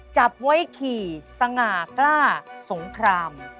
จับไว้ขี่สง่ากล้าสงคราม